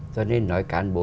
cho nên nói cán bộ